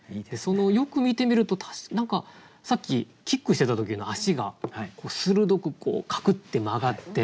よく見てみると何かさっきキックしてた時の足が鋭くカクッて曲がって。